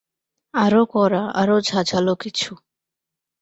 আরও কড়া, আরও ঝাঝালো কিছু।